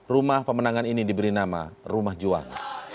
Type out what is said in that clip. rumah pemenangan ini diberi nama rumah juang